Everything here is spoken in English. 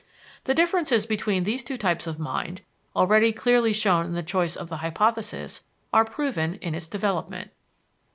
The differences between these two types of mind, already clearly shown in the choice of the hypothesis, are proven in its development.